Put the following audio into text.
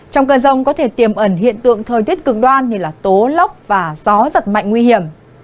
trong cơn rông có thể tiềm ẩn hiện tượng thời tiết cực đoan như tố lốc và gió giật mạnh nguy hiểm